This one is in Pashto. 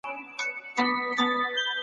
مکناتن مقاومت وکړ، خو ناکام شو.